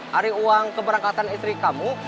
hari uang keberangkatan istri kamu